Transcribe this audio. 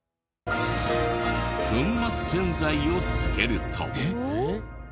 粉末洗剤を付けると。